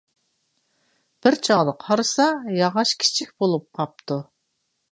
بىر چاغدا قارىسا، ياغاچ كىچىك بولۇپ قاپتۇ.